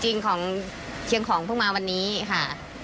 จริงของเชียงของเพิ่งมาวันนี้ค่ะ